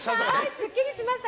すっきりしました。